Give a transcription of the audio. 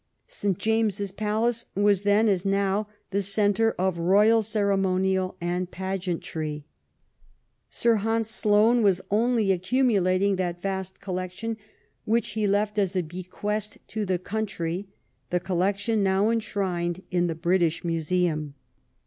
St. James's Palace was then, as now, the centre of royal ceremonial and pageantry. Sir Hans Sloane was only accumulating that vast col lection which he left as a bequest to the country — the collection now enshrined in the British Museum.